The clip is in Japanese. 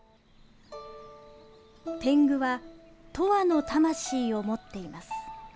てんぐはとわの魂を持っています。